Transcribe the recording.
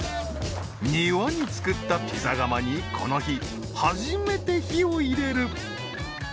庭に作ったピザ窯にこの日初めて火を入れる。